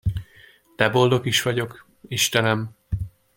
De boldog is vagyok, istenem!